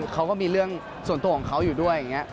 เขาก็มีเรื่องส่วนตัวของเขาอยู่ด้วยอย่างนี้